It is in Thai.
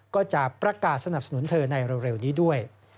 ก็จะประกาศสนับสนุนเธอในเร็วนี้ด้วย